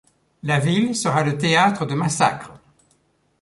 La ville sera le théâtre de massacres.